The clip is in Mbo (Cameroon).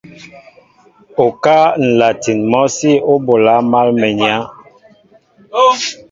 Okáá nlatin mɔsí o ɓola mal mwenya.